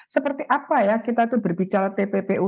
seperti apa ya kita itu berbicara tppu